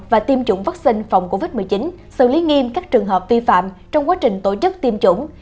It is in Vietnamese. và tiêm chủng vaccine phòng covid một mươi chín xử lý nghiêm các trường hợp vi phạm trong quá trình tổ chức tiêm chủng